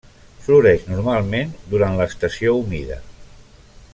Floreix normalment durant l'estació humida.